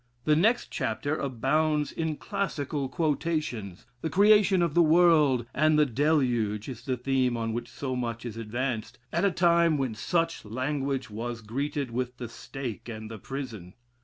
The next chapter abounds in classical quotations, the Creation of the world and the Deluge is the theme on which so much is advanced, at a time when such language was greeted with the stake and the prison.